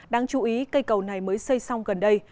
đáng chú ý cây cầu này mới xây xong gần đây